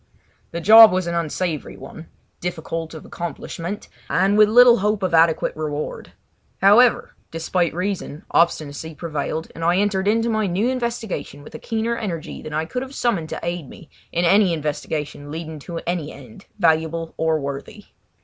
The job was an unsavoury one, difficult of accomplishment, and with little hope of adequate reward. However, despite reason, obstinacy prevailed, and I entered into my new investigation with a keener energy than I could have summoned to aid me in any investigation leading to any end, valuable or worthy.